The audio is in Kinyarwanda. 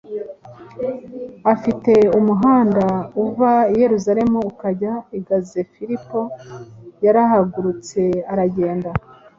afate umuhanda uva i Yerusalemu ikajya i GazaFilipo yarahagurutse aragenda”